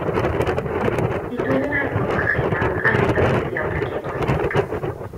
Nid wyf yn ailgylchu na'n ailddefnyddio bagiau plastig